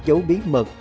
các dấu bí mật